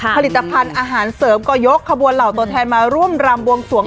ผลิตภัณฑ์อาหารเสริมก็ยกขบวนเหล่าตัวแทนมาร่วมรำบวงสวง